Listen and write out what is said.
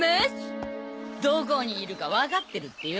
どこにいるかわかってるってよ。